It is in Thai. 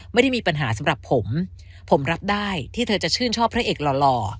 ไม่ได้มีปัญหาสำหรับผมผมรับได้ที่เธอจะชื่นชอบพระเอกหล่อ